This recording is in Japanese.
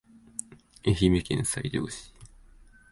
愛媛県西条市